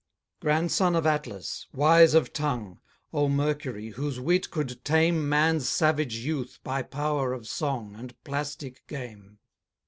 Grandson of Atlas, wise of tongue, O Mercury, whose wit could tame Man's savage youth by power of song And plastic game!